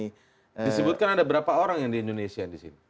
disebutkan ada berapa orang yang di indonesia di sini